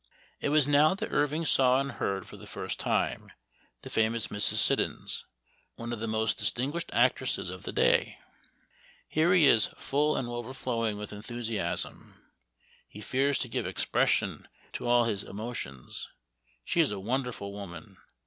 It was now that Irving saw and heard for the first time the famous Mrs. Siddons, one of the most distinguished actresses of that day. Here he is full and overflowing with enthusi asm. He fears to give expression to all his emotions. She is a wonderful woman.